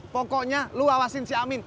pokoknya lu awasin si amin